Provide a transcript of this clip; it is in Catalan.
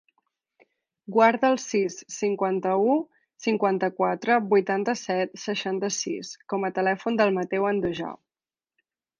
Guarda el sis, cinquanta-u, cinquanta-quatre, vuitanta-set, seixanta-sis com a telèfon del Matteo Andujar.